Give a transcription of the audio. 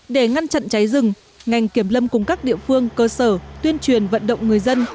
để ngăn chặn cháy rừng ngành kiểm lâm cùng các địa phương cơ sở tuyên truyền vận động người dân